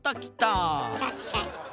いらっしゃい。